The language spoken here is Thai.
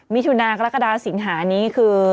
มิถุนากรกฎาสิงหานี้คือ